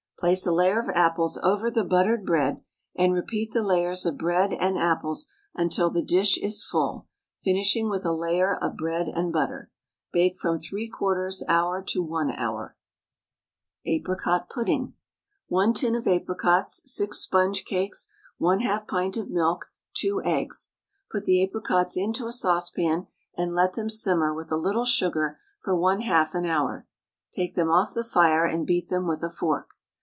Place a layer of apples over the buttered bread, and repeat the layers of bread and apples until the dish is full, finishing with a layer of bread and butter. Bake from 3/4 hour to 1 hour. APRICOT PUDDING. 1 tin of apricots, 6 sponge cakes, 1/2 pint of milk, 2 eggs. Put the apricots into a saucepan, and let them simmer with a little sugar for 1/2 an hour; take them off the fire and beat them with a fork.